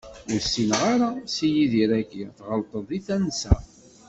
Ur ssineɣ ara Si Yidir-agi, tɣelṭeḍ di tansa.